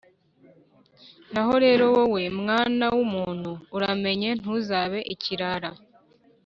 Naho rero wowe, mwana w’umuntu, uramenye ntuzabe ikirara